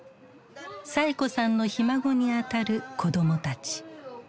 サエ子さんのひ孫にあたる子どもたち。